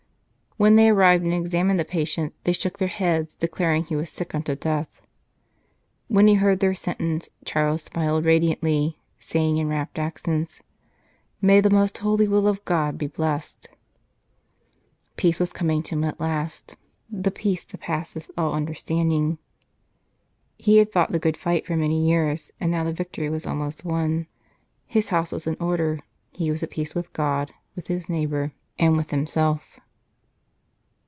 When they arrived and examined the patient, they shook their heads, declaring he was sick unto death. When he heard their sentence, Charles smiled radiantly, saying in rapt accents :" May the most holy will of God be blessed !" Peace was coming to him at last the peace 232 His House in Order that passeth all understanding. He had fought the good fight for many years, and now the victory was almost won. His house was in order, he was at peace with God, with his neighbour, and with himself.